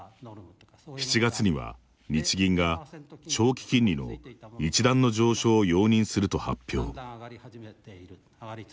７月には日銀が、長期金利の一段の上昇を容認すると発表。